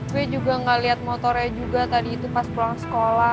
saya juga gak lihat motornya juga tadi itu pas pulang sekolah